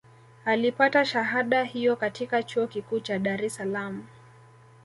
Alipata shahada hiyo katika Chuo Kikuu cha Dare es Salaam